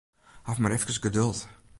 Haw mar efkes geduld.